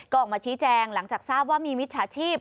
ก็ออกมาชี้แจงหลังจากทราบว่ามีมิจฉาชีพ